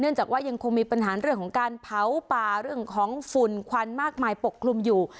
จากว่ายังคงมีปัญหาเรื่องของการเผาป่าเรื่องของฝุ่นควันมากมายปกคลุมอยู่